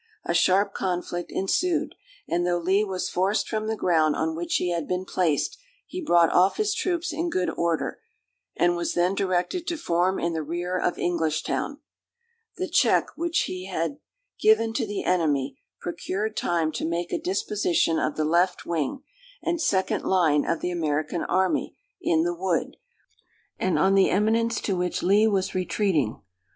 A sharp conflict ensued; and though Lee was forced from the ground on which he had been placed, he brought off his troops in good order, and was then directed to form in the rear of Englishtown. The check which he had given to the enemy procured time to make a disposition of the left wing, and second line of the American army, in the wood, and on the eminence to which Lee was retreating.